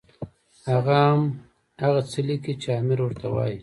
هغه هم هغه څه لیکي چې امیر ورته وایي.